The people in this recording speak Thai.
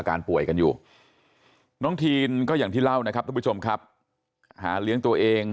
ป่วยกันอยู่น้องทีนก็อย่างที่เล่านะครับทุกผู้ชมครับหาเลี้ยงตัวเอง